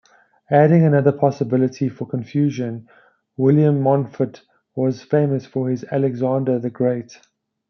Adding another possibility for confusion, William Mountfort was famous for his Alexander the Great.